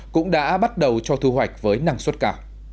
cũng đã bắt đầu cho thu hoạch với năng suất cao